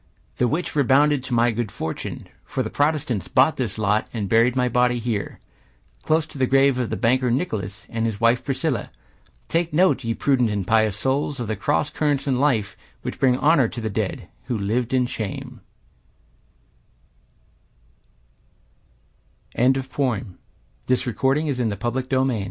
The which redounded to my good fortune. For the Protestants bought this lot, And buried my body here, Close to the grave of the banker Nicholas, And of his wife Priscilla. Take note, ye prudent and pious souls, Of the cross—currents in life Which bring honor to the dead, who lived in shame Harry Carey Goodhue You never marveled, dullards